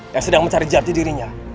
dan sedang mencari jati dirinya